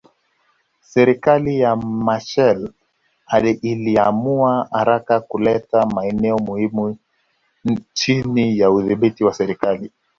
Serikali ya Machel iliamua haraka kuleta maeneo muhimu chini ya udhibiti wa serikali